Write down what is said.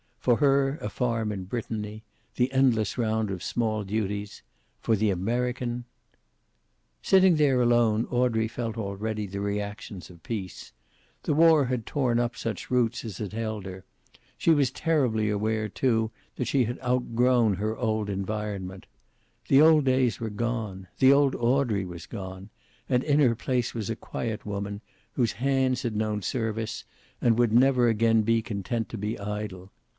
For her, a farm in Brittany, the endless round of small duties; for the American Sitting there alone Audrey felt already the reactions of peace. The war had torn up such roots as had held her. She was terribly aware, too, that she had outgrown her old environment. The old days were gone. The old Audrey was gone; and in her place was a quiet woman, whose hands had known service and would never again be content to be idle.